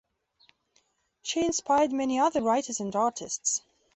She inspired many other writers and artists.